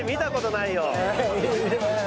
いいね！